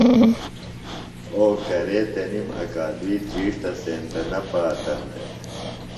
او کرے تنِم اکادُئی دھرِیݜٹہ سینتہ نہ پاتن دےۡ